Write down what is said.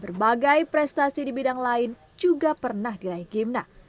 berbagai prestasi di bidang lain juga pernah diraih gimna